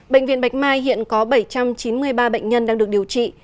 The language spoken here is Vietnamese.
bệnh viện bạch mai hiện có bảy trăm chín mươi ba bệnh nhân đang được điều trị